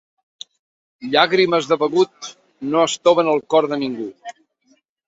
Llàgrimes de begut no estoven el cor de ningú.